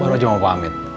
baru aja mau pamit